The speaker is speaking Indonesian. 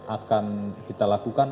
akan kita lakukan